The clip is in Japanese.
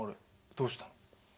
どうしたの？